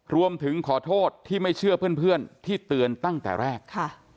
รวมถึงขอโทษที่ไม่เชื่อเพื่อนที่เตือนตั้งแต่แรก